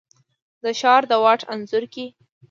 د ښار د واټ انځور کي،